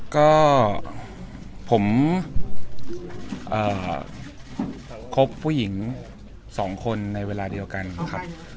ก็ผมคบผู้หญิง๒คนในเวลาเดียวกันครับ